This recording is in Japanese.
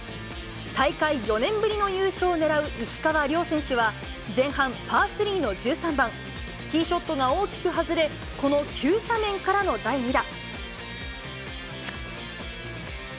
大会４年ぶりの優勝をねらう石川遼選手は、前半パー３の１３番、ティーショットが大きく外れ、この急斜面からの第２打。